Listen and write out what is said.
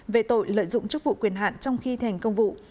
về tội lợi dụng chức vụ quyền hạn trong khi thành công vụ